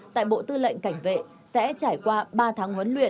tại bộ tư lệnh cảnh vệ sẽ trải qua ba tháng huấn luyện